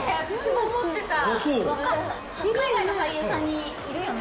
海外の俳優さんにいるよね？